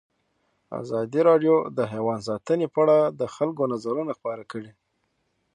ازادي راډیو د حیوان ساتنه په اړه د خلکو نظرونه خپاره کړي.